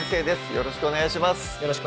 よろしくお願いします